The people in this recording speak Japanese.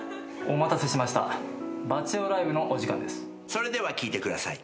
それでは聴いてください。